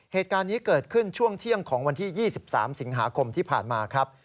เหตุการณ์นี้เกิดขึ้นช่วงเที่ยงของวันที่๒๓สิงหาคมที่ผ่านมาครับ